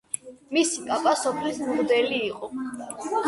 მისი პაპა სოფლის მღვდელი იყო.